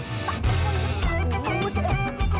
tak besar tak besar